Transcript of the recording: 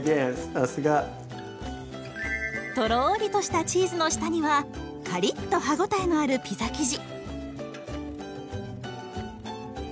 さすが！とろりとしたチーズの下にはカリッと歯応えのあるピザ生地。